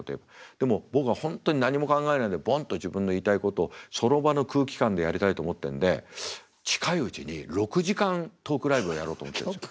でも僕が本当に何も考えないでボンと自分の言いたいことをその場の空気感でやりたいと思ってんで近いうちに６時間トークライブをやろうと思ってるんですよ。